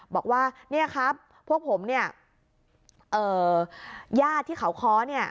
บอกว่าเนี่ยครับพวกผมเนี่ยเอ่อญาติที่เขาค้อเนี่ย